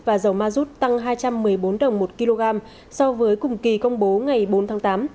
và dầu ma rút tăng hai trăm một mươi bốn đồng một kg so với cùng kỳ công bố ngày bốn tháng tám